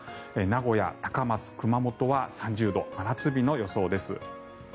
名古屋、高松、熊本は３０度真夏日の予想です。